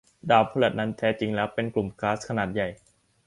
ดาวพฤหัสนั้นแท้จริงแล้วเป็นกลุ่มก๊าซขนาดใหญ่